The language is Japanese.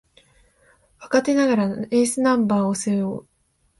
若手ながらエースナンバーを背負う